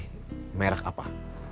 aku dikasih merk apa